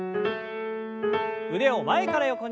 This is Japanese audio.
腕を前から横に。